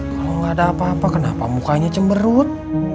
kalau nggak ada apa apa kenapa mukanya cemberut